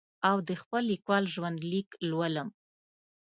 او د خپل لیکوال ژوند لیک لولم.